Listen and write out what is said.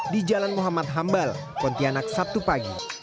di jalan muhammad hambal pontianak sabtu pagi